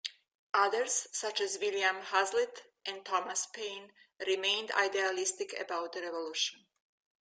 Others, such as William Hazlitt and Thomas Paine, remained idealistic about the Revolution.